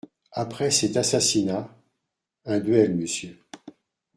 Après cet assassinat … Un duel, monsieur.